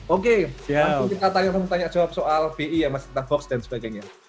oke langsung kita tanya tanya soal bi ya mas tentang hoax dan sebagainya